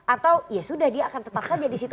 atau ya sudah dia akan tetap saja disitu